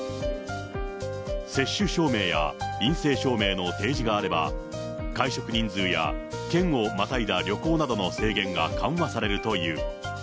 接種証明や陰性証明の提示があれば、会食人数や県をまたいだ旅行などの制限が緩和されるという。